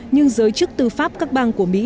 nhưng giới chức tư pháp các bang của mỹ